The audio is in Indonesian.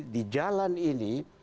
di jalan ini